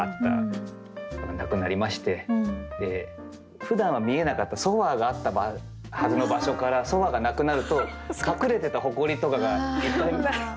なくなりましてふだんは見えなかったソファーがあったはずの場所からソファーがなくなると隠れてたホコリとかがいっぱいいるんですよね。